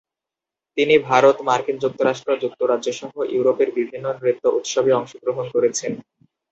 তিনি ভারত, মার্কিন যুক্তরাষ্ট্র, যুক্তরাজ্য সহ ইউরোপের বিভিন্ন নৃত্য উৎসবে অংশগ্রহণ করেছেন।